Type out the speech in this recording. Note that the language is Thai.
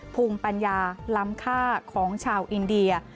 ภูมิปัญญาล้ำค่าของชาวอินเดีย